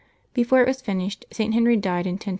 Before it was fin shed St. Henry died, in 1024.